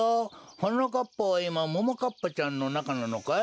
はなかっぱはいまももかっぱちゃんのなかなのかい？